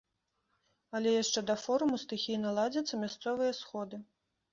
Але яшчэ да форуму стыхійна ладзяцца мясцовыя сходы.